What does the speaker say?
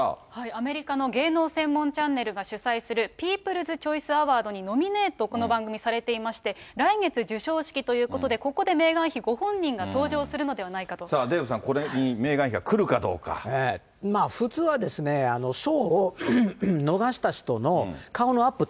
アメリカの芸能専門チャンネルが主催するピープルズ・チョイス・アワードにノミネート、この番組、されていまして、来月授賞式ということで、ここでメーガン妃ご本人が登場するのではないかデーブさん、これにメーガンまあ、普通は賞を逃した人の顔のアップ